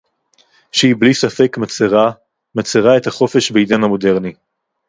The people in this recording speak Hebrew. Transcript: שהיא בלי ספק מצרה - מצרה את החופש בעידן המודרני